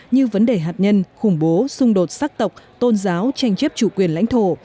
như vấn đề hạt nhân khủng bố xung đột sắc tộc tôn giáo tranh chấp chủ quyền lãnh thổ